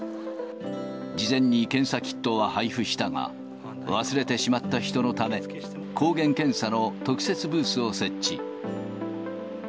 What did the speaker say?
事前に検査キットを配布したが、忘れてしまった人のため、抗原検査の特設ブースを設置。